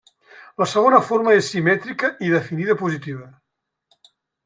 La segona forma, és simètrica i definida positiva.